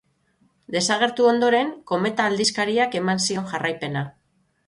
Desagertu ondoren, Kometa aldizkariak eman zion jarraipena.